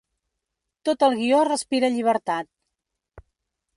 Tot el guió respira llibertat.